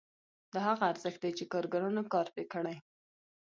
دا هغه ارزښت دی چې کارګرانو کار پرې کړی